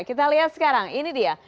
kita lihat sekarang ini dia